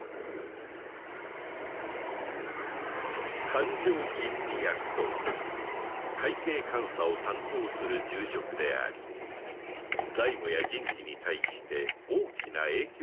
勘定吟味役とは会計監査を担当する重職であり財務や人事に対して大きな影響力があった